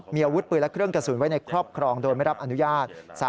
มีอาวุธปืนและเครื่องกระสุนไว้ในครอบครองโดยไม่รับอนุญาต